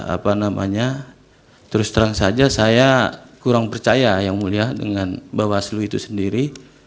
apa namanya terus terang saja saya kurang percaya yang mulia dengan bawaslu itu sendiri